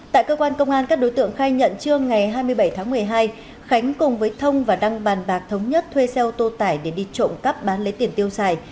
tại cơ quan công an các đối tượng khai nhận trương ngày hai mươi bảy tháng một mươi hai khánh cùng với thông và đăng bàn bạc thống nhất thuê xe ô tô tải để đi trộm cắp bán lấy tiền tiêu xài